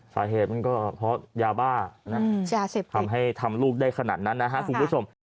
สาเหตุมันก็เพราะยาบ้าทำให้ทำลูกได้ขนาดนั้นนะครับคุณผู้ชม